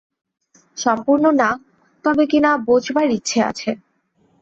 সম্পূর্ণ না, তবে কিনা বোঝবার ইচ্ছে আছে।